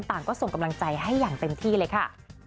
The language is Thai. ต่างก็ส่งกำลังใจให้อย่างเต็มที่เลยค่ะ